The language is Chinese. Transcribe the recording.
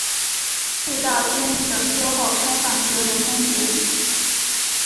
隧道经整修后开放行人通行。